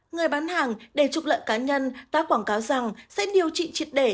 người bán hàng để trục lợi cá nhân tác quảng cáo rằng sẽ điều trị triệt để